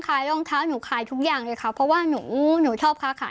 รองเท้าหนูขายทุกอย่างเลยค่ะเพราะว่าหนูหนูชอบค้าขาย